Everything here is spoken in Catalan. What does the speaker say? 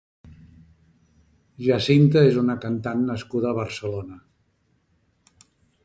Jacinta és una cantant nascuda a Barcelona.